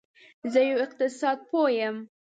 زه یو اقتصاد پوه یم